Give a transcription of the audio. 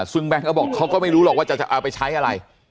ซึ่งแบงค์เขาบอกเขาก็ไม่รู้หรอกว่าจะเอาไปใช้อะไร